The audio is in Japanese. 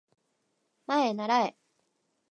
まえならえ